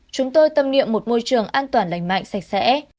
chúng tôi tâm niệm một môi trường an toàn lành mạnh sạch sẽ